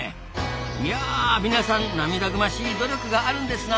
いや皆さん涙ぐましい努力があるんですな！